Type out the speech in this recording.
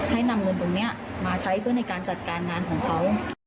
ให้นำเงินตรงนี้มาใช้เพื่อในการจัดการงานของเขา